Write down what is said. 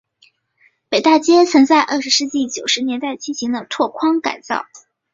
北大街曾在二十世纪九十年代进行了拓宽改造。